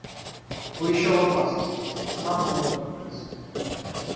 – Вы еще в опасности: рана может открыться.